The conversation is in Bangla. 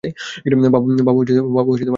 বাবা খুঁত ধরছে।